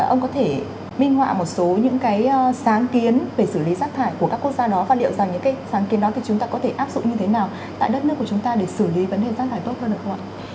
ông có thể minh họa một số những cái sáng kiến về xử lý rác thải của các quốc gia đó và liệu rằng những cái sáng kiến đó thì chúng ta có thể áp dụng như thế nào tại đất nước của chúng ta để xử lý vấn đề rác thải tốt hơn được không ạ